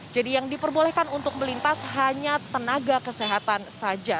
jadi yang diperbolehkan untuk melintas hanya tenaga kesehatan saja